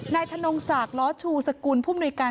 ธนงศักดิ์ล้อชูสกุลผู้มนุยการ